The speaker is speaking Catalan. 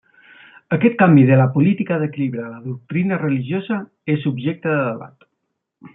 Aquest canvi de la política d'equilibrar la doctrina religiosa és objecte de debat.